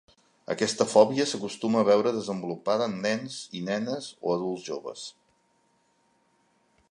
Aquesta fòbia s'acostuma a veure desenvolupada en nens i nenes o adults joves.